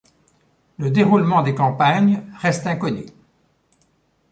Le déroulement des campagnes restent inconnu.